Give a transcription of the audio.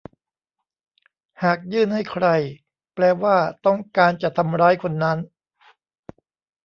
หากยื่นให้ใครแปลว่าต้องการจะทำร้ายคนนั้น